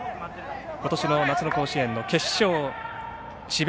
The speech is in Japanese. ことしの夏の甲子園の決勝智弁